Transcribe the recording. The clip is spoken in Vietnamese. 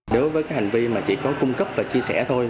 đối với cái hành vi mà chỉ có cung cấp và chia sẻ thôi